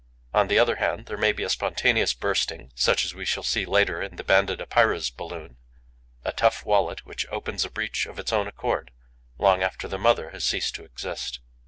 On the other hand, there may be a spontaneous bursting, such as we shall see later in the Banded Epeira's balloon, a tough wallet which opens a breach of its own accord, long after the mother has ceased to exist.